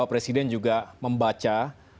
presiden juga membaca